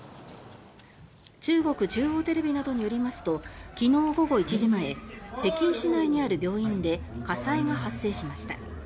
中国中央テレビなどによりますと昨日午後１時前北京市内にある病院で火災が発生しました。